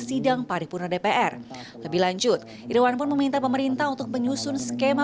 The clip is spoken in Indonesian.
sidang paripurna dpr lebih lanjut irwan pun meminta pemerintah untuk menyusun skema